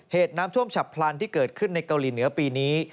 เหตุน้ำท่วมฉับพลันที่เกิดขึ้นในเกาหลีเหนือปีนี้